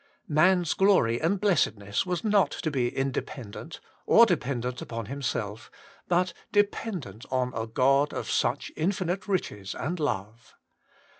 Man's glory and blessedness was not to be independent, or dependent upon himself, but dependent on a God of such in finite riches and love.